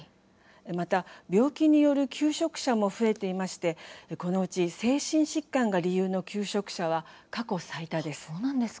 また病気による休職者も増えていましてこのうち精神疾患が理由の休職者は過去最多です。